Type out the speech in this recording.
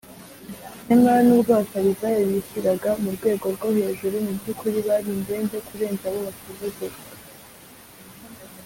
nyamara nubwo abafarisayo bishyiraga mu rwego rwo hejuru, mu by’ukuri bari indembe kurenza abo basuzuguraga